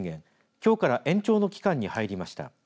きょうから延長の期間に入りました。